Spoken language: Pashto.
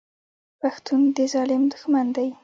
پښتون د ظالم دښمن دی.